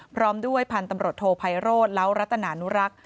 พร้อมด้วยพันธุ์ตำรวจโทไพโรธเล้ารัตนานุรักษ์